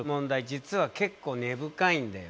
実は結構根深いんだよね。